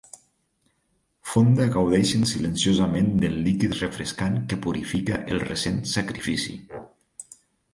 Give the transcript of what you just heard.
Fonda gaudeixen silenciosament del líquid refrescant que purifica el recent sacrifici.